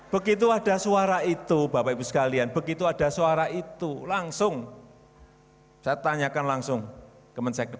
begitu ada suara itu bapak ibu sekalian begitu ada suara itu langsung saya tanyakan langsung ke mensek